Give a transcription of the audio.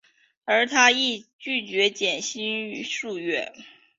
而他亦拒绝减薪续约。